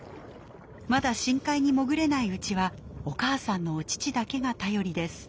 まだ深海に潜れないうちはお母さんのお乳だけが頼りです。